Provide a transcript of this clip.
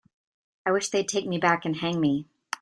I wish they'd take me back and hang me.